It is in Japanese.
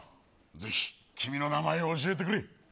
ぜひ、君の名前を教えてくれ。